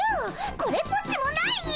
これっぽっちもないよ！